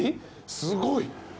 すごい。